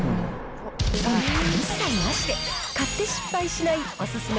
そんたく一切なしで、買って失敗しないおすすめ